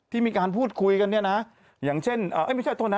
ที่มีการพูดคุยกันอย่างเช่นไม่ใช่โทนนะ